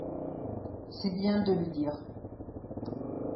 C’est bien de le dire